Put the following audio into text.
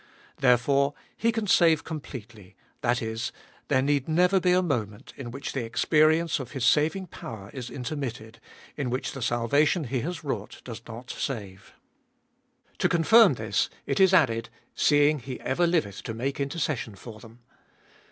Therefore He can save completely, that is, there need never be a moment in which the experience of His saving power is intermitted, in which the salvation He has wrought does not save. To confirm this, it is added, seeing He ever liveth to make intercession for them.